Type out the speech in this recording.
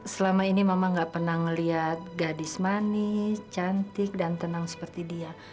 selama ini mama gak pernah ngeliat gadis manis cantik dan tenang seperti dia